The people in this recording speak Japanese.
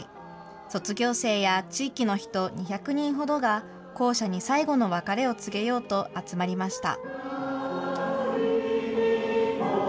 卒業生や地域の人、２００人ほどが、校舎に最後の別れを告げようと集まりました。